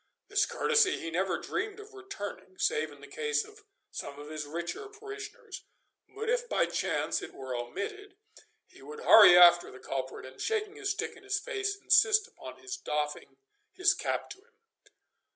This courtesy he never dreamed of returning, save in the case of some of his richer parishioners; but if by chance it were omitted, he would hurry after the culprit, and, shaking his stick in his face, insist upon his doffing his cap to him.